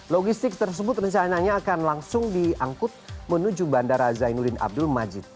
logistik tersebut rencananya akan langsung diangkut menuju bandara zainuddin abdul majid